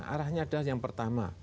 arahnya adalah yang pertama